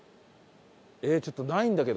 えっちょっとないんだけど。